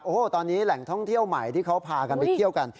โอ้โหตอนนี้แหล่งท่องเที่ยวใหม่ที่เขาพากันไปเที่ยวกัน